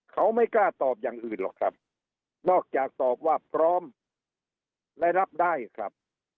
เขาไม่กล้าตอบอย่างอื่นหรอกครับนอกจากตอบว่าพร้อมและรับได้ครับ